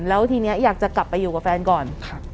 แล้วทีนี้อยากจะกลับไปอยู่กับแฟนก่อน